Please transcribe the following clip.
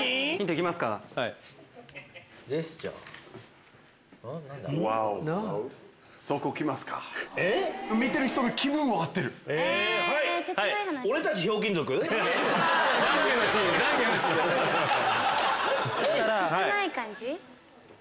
切ない感じ？